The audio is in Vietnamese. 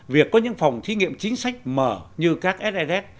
việc có những phòng thí nghiệm chính sách mở như các set